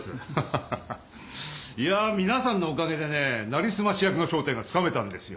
いやあ皆さんのおかげでねなりすまし役の正体がつかめたんですよ。